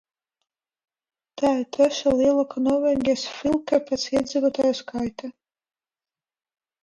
Tā ir trešā lielākā Norvēģijas filke pēc iedzīvotāju skaita.